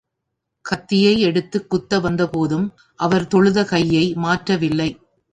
கத்தியை எடுத்துக் குத்த வந்த போதும் அவர் தொழுத கையை மாற்றவில்லை.